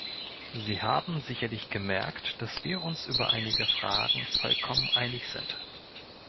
Sie haben sicherlich gemerkt, dass wir uns über einige Fragen vollkommen einig sind.